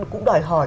cũng đòi hỏi